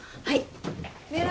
はい。